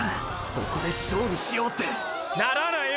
そこで勝負しようってーー！ならないよ！！